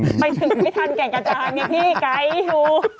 ไปถึงไม่ทันแก่งกระจานไงพี่ไกด์อยู่